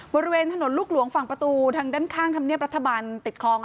บริเวณถนนลูกหลวงฝั่งประตูทางด้านข้างธรรมเนียบรัฐบาลติดคลอง